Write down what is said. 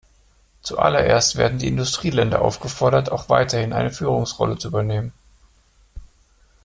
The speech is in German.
Zu allererst werden die Industrieländer aufgefordert, auch weiterhin eine Führungsrolle zu übernehmen.